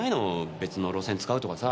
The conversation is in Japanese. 別の路線使うとかさ。